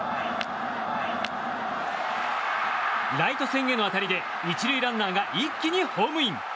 ライト線への当たりで１塁ランナーが一気にホームイン。